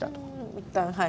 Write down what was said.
いったんはい。